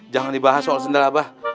jangan dibahas soal sendal abah